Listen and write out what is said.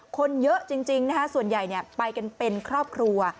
คนเยอะจริงนะคะส่วนใหญ่ไปกันเป็นครอบครัว